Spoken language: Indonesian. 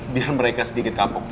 biar mereka sedikit kapok